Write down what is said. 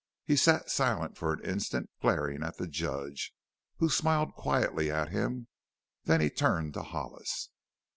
He sat silent for an instant, glaring at the Judge, who smiled quietly at him, then he turned to Hollis.